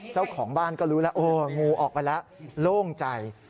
เจ้าของบ้านก็รู้แล้วโอ้งูออกไปแล้วโล่งใจ